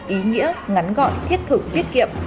ý nghĩa ngắn gọn thiết thực tiết kiệm